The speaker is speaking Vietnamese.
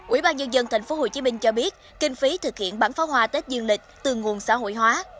ubnd tp hcm cho biết kinh phí thực hiện bắn pháo hoa tết dương lịch từ nguồn xã hội hóa